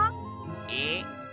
えっ？